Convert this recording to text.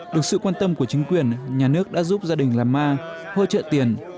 được sự quan tâm của chính quyền nhà nước đã giúp gia đình làm ma hỗ trợ tiền